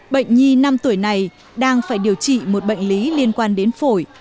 bệnh nhi năm tuổi này đang phải điều trị một bệnh lý liên quan đến phổi